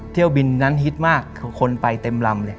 เที่ยวบินนั้นฮิตมากคือคนไปเต็มลำเลย